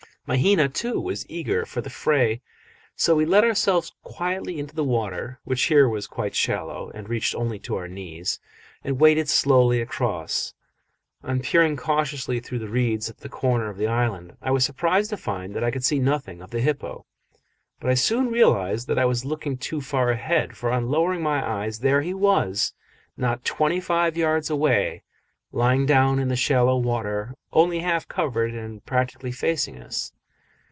Mahina, too, was eager for the fray, so we let ourselves quietly into the water, which here was quite shallow and reached only to our knees, and waded slowly across. On peering cautiously through the reeds at the corner of the island, I was surprised to find that I could see nothing of the hippo; but I soon realised that I was looking too far ahead, for on lowering my eyes there he was, not twenty five yards away, lying down in the shallow water, only half covered and practically facing us.